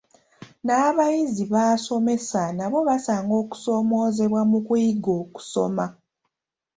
N’abayizi b’asomesa nabo basanga okusoomoozebwa mu kuyiga okusoma.